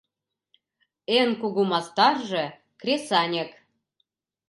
Эн кугу мастарже — кресаньык!